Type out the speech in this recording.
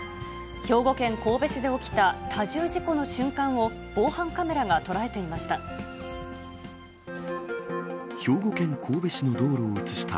兵庫県神戸市で起きた多重事故の瞬間を、防犯カメラが捉えていました。